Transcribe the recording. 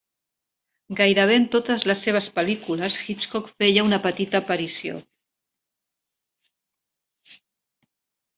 Gairebé en totes les seves pel·lícules, Hitchcock feia una petita aparició.